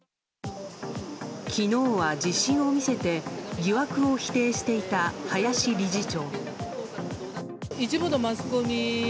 昨日は自信を見せて疑惑を否定していた林理事長。